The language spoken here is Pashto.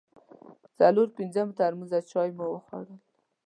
څلور پنځه ترموزان چای مو وخوړل.